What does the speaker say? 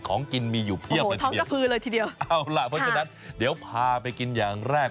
ของกินมีอยู่เพียบเลยทีเดียวกระพือเลยทีเดียวเอาล่ะเพราะฉะนั้นเดี๋ยวพาไปกินอย่างแรก